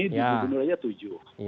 di kebunuhnya tujuh